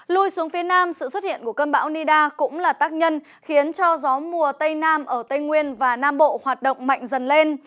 lui xuống phía nam sự xuất hiện của cơn bão nida cũng là tác nhân khiến cho gió mùa tây nam ở tây nguyên và nam bộ hoạt động mạnh dần lên